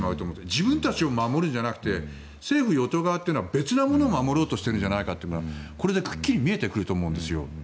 自分たちを守るんじゃなくて政府・与党側は別なものを守ろうとしているんじゃないかというのがこれでくっきり見えてくると思うんですよ。